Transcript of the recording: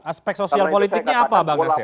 aspek sosial politiknya apa bang yasin